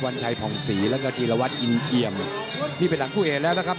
วันชัยผ่องศรีแล้วก็จีรวัตรอินเอี่ยมนี่เป็นหลังคู่เอกแล้วนะครับ